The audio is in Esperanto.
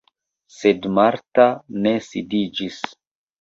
Sed Marta ne sidiĝis.